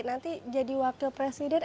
nanti jadi wakil presiden